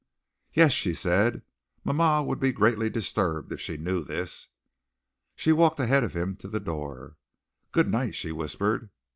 "Yes," she said. "Ma ma would be greatly disturbed if she knew this." She walked ahead of him to the door. "Good night," she whispered.